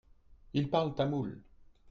Ils parlent tamoul.